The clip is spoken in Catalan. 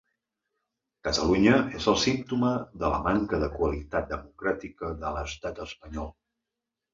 Catalunya és el símptoma de la manca de qualitat democràtica de l’estat espanyol.